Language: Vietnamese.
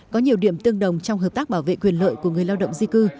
có nhiều điểm tương đồng trong hợp tác bảo vệ quyền lợi của người lao động di cư